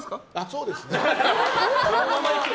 そうですね。